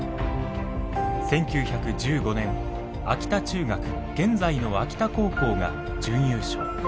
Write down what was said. １９１５年秋田中学現在の秋田高校が準優勝。